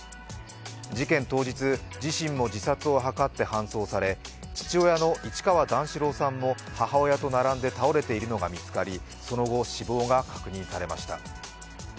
事件当日、自身も自殺を図って搬送され、父親の市川段四郎さんも母親と並んで倒れているのが見つかり、その後、死亡が確認されました。